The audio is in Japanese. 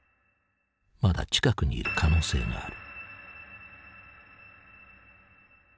まだ近くにいる可能性がある。